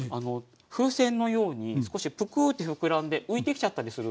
風船のように少しプクッってふくらんで浮いてきちゃったりするんですよ。